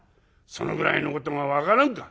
そのぐらいのことが分からんか。